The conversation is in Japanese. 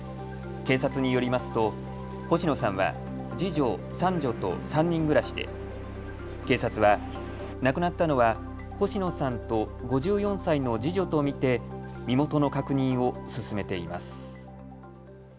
警察によりますと星野さんは次女、三女と３人暮らしで警察は亡くなったのは星野さんと５４歳の次女と見て身元の確認を進めています。